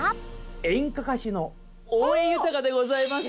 演歌歌手の大江裕でございます。